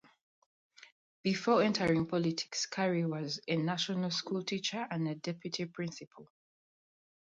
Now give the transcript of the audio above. Before entering politics Carey was a national school teacher and a deputy principal.